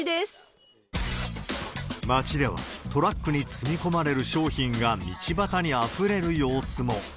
街では、トラックに積み込まれる商品が道端にあふれる様子も。